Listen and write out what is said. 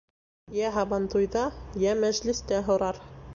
Йә һабантуйҙа, йә мәжлестә һорар.